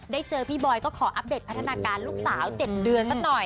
เจอพี่บอยก็ขออัปเดตพัฒนาการลูกสาว๗เดือนสักหน่อย